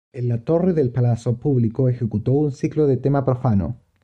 En la torre del Palazzo Publico ejecutó un ciclo de tema profano.